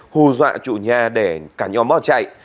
hù dọa chủ nhà để cả nhóm bỏ chạy